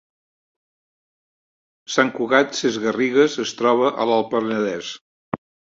Sant Cugat Sesgarrigues es troba a l’Alt Penedès